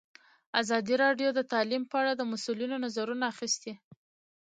ازادي راډیو د تعلیم په اړه د مسؤلینو نظرونه اخیستي.